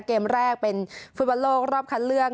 เกมแรกเป็นฟุตบอลโลกรอบคัดเลือก